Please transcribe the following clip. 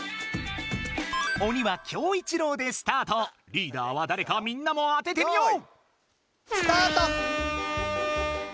リーダーはだれかみんなも当ててみよう！